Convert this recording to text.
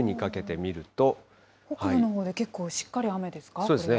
北部のほうで結構しっかり雨ですか、そうですね。